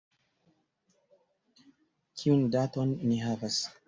Kiun daton ni havas?